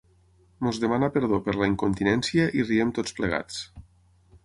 Ens demana perdó per la incontinència i riem tots plegats.